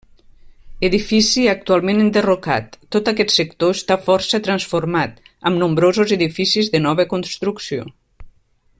Edifici actualment enderrocat; tot aquest sector està força transformat, amb nombrosos edificis de nova construcció.